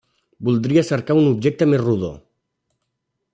Voldria cercar un objecte més rodó.